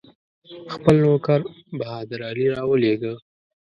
خپل نوکر بهادر علي راولېږه.